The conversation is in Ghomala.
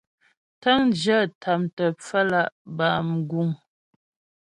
Tə̂ŋjyə tâmtə pfəmlǎ' bâ mguŋ.